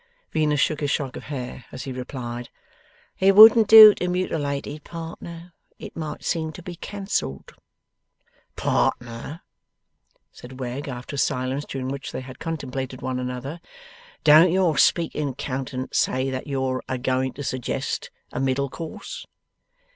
Venus shook his shock of hair, as he replied, 'It wouldn't do to mutilate it, partner. It might seem to be cancelled.' 'Partner,' said Wegg, after a silence, during which they had contemplated one another, 'don't your speaking countenance say that you're a going to suggest a middle course?